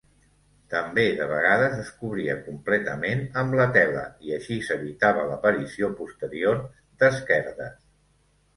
També, de vegades, es cobria completament amb la tela i així s'evitava l'aparició posterior d'esquerdes.